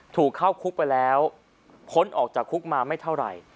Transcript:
ถูกเข้าคุกไปแล้วพ้นออกจากคุกมาไม่เท่าไหร่